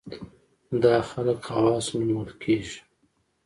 دا خلک خواص نومول کېږي.